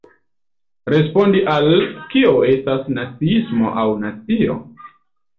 Respondi al "Kio estas naciismo aŭ nacio?